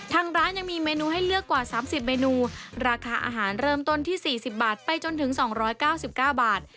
ทางร้านยังมีเมนูให้เลือกกว่า๓๐เมนูราคาอาหารเริ่มต้นที่๔๐บาทไปจนถึง๒๙๙บาท